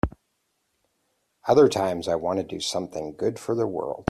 Other times I want to do something good for the world.